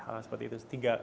hal seperti itu